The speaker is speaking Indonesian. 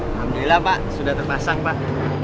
alhamdulillah pak sudah terpasang pak